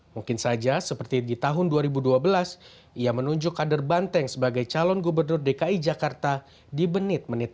mungkin saja seperti di tahun dua ribu dua belas ia menunjuk kader banteng sebagai calon gubernur dki jakarta di benit menit